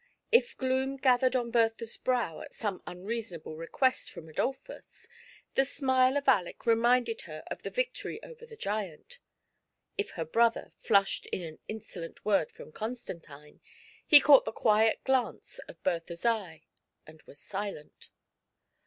If gloom gathered on Bertha's brow at some unreasonable request from Adolphus, the smile of Aleck reminded her of the victory over the giant; if her brother flushed at an insolent word from Constantine, he caught the quiet glance of Bertha's eye, and was silent.